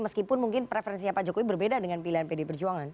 meskipun mungkin preferensinya pak jokowi berbeda dengan pilihan pdi perjuangan